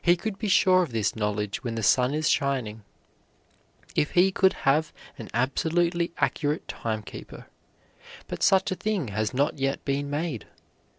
He could be sure of this knowledge when the sun is shining, if he could have an absolutely accurate timekeeper; but such a thing has not yet been made.